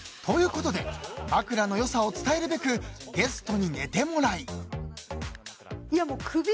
［ということで枕の良さを伝えるべくゲストに寝てもらい］